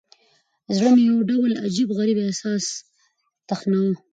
زړه مې يو ډول عجيب، غريب احساس تخنوه.